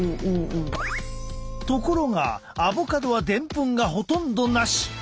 ところがアボカドはでんぷんがほとんどなし！